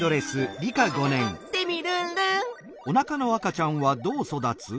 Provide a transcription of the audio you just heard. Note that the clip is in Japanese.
テミルンルン！